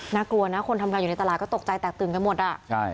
กลัวนะคนทำงานอยู่ในตลาดก็ตกใจแตกตื่นกันหมดอ่ะใช่